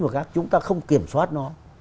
của các chúng ta không kiểm soát nó